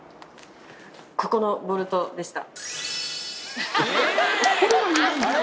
ここのボルトでした。